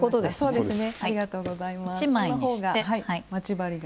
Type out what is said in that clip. そうですね。